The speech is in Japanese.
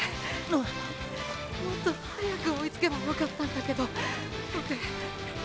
あ⁉もっと早く追いつけばよかったんだけどボク力限界で。